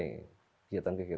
kegiatan kegiatan yang tersebut